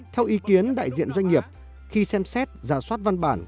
theo ý kiến đại diện doanh nghiệp khi xem xét giả soát văn bản